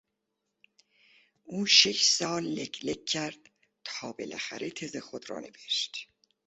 او شش سال لک لک کرد تا بالاخره تز خود را نوشت.